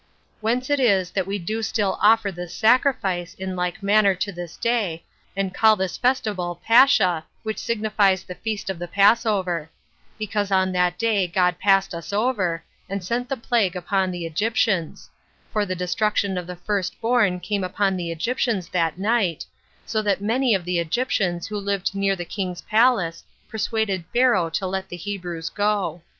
Whence it is that we do still offer this sacrifice in like manner to this day, and call this festival Pascha which signifies the feast of the passover; because on that day God passed us over, and sent the plague upon the Egyptians; for the destruction of the first born came upon the Egyptians that night, so that many of the Egyptians who lived near the king's palace, persuaded Pharaoh to let the Hebrews go.